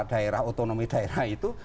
daerah otonomi daerah itu